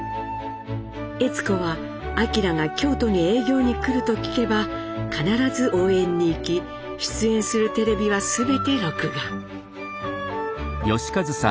悦子は明が京都に営業に来ると聞けば必ず応援に行き出演するテレビは全て録画。